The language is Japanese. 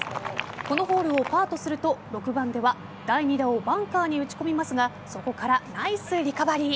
このホールをパーとすると６番では第２打をバンカーに打ち込みますがそこからナイスリカバリー。